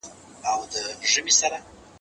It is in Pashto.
زه اوږده وخت مېوې وچوم وم!!